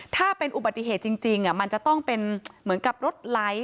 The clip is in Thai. ถ้าเป็นอุบัติเหตุจริงมันจะต้องเป็นเหมือนกับรถไหล